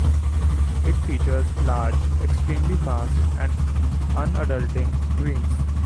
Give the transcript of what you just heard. It features large, extremely fast, and undulating greens.